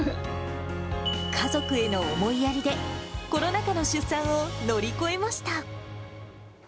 家族への思いやりで、コロナ禍の出産を乗り越えました。